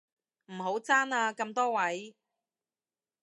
唔好爭啊咁多位